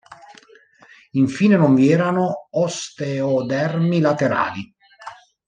Infine, non vi erano osteodermi laterali.